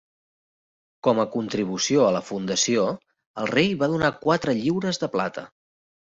Com a contribució a la fundació el rei va donar quatre lliures de plata.